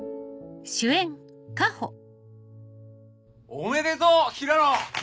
おめでとう平野！